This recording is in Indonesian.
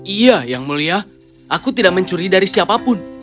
iya yang mulia aku tidak mencuri dari siapapun